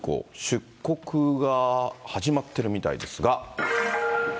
出国が始まってるみたいですが。